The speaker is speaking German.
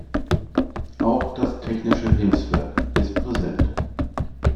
Auch das Technische Hilfswerk ist präsent.